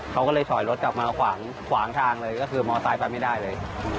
เขาก็เลยถอยรถกลับมาขวางขวางทางเลยก็คือมอไซค์ไปไม่ได้เลย